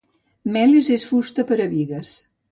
Melis és fusta per a bigues.